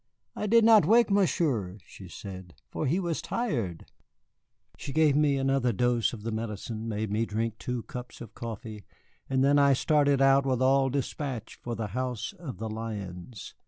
"I did not wake Monsieur," she said, "for he was tired." She gave me another dose of the medicine, made me drink two cups of coffee, and then I started out with all despatch for the House of the Lions.